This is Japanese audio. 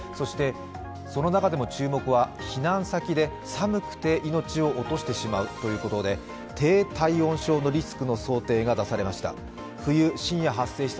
その中でも注目は避難先で寒くて命を落としてしまうということで低体温症のリスクの想定が出されました。